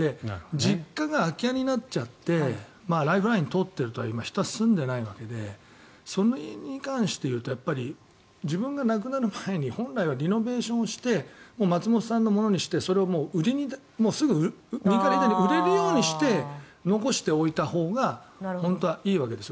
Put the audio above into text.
実家が空き家になっちゃってライフラインが通っているといっても人は住んでいないわけでその辺に関して言うと自分が亡くなる前に本来はリノベーションをして松本さんのものにしてそれをすぐ売れるようにして残しておいたほうが本当はいいわけですよ。